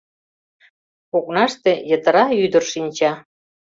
Окнаште йытыра ӱдыр шинча.